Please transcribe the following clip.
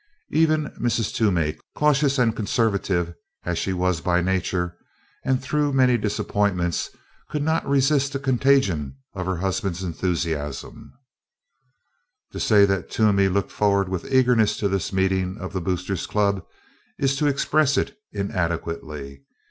Even Mrs. Toomey, cautious and conservative as she was by nature and through many disappointments, could not resist the contagion of her husband's enthusiasm. To say that Toomey looked forward with eagerness to this meeting of the Boosters Club is to express it inadequately.